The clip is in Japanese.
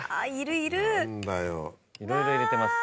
いろいろ入れてます。